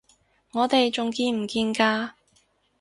我哋仲見唔見㗎？